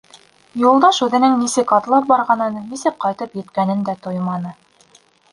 Юлдаш үҙенең нисек атлап барғанын, нисек ҡайтып еткәнен дә тойманы.